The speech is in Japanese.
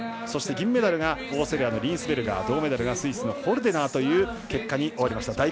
そして銀メダルがオーストリアのリーンスベルガー銅メダルがスイスのホルデナーという結果になりました。